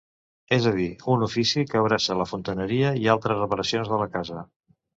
És a dir, un ofici que abraça la fontaneria i altres reparacions de la casa.